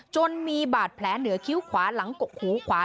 จนมีบาดแผลเหนือคิ้วขวาหลังกกหูขวา